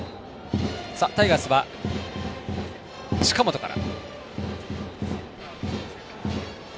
タイガースは近本から。